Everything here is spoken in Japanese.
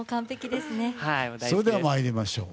それでは参りましょう。